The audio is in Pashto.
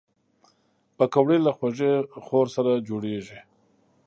پکورې له خوږې خور سره جوړېږي